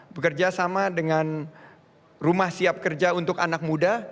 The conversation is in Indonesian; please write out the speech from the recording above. bekerja sama dengan rumah siap kerja untuk anak muda